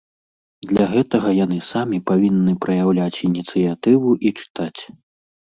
Для гэтага яны самі павінны праяўляць ініцыятыву і чытаць.